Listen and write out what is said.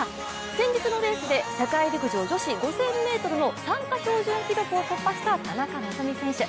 先日のレースで世界陸上女子５０００ｍの参加標準記録を突破した田中希実選手。